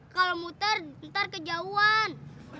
kalau muter ntar kejauhan